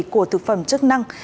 của thực phẩm chức năng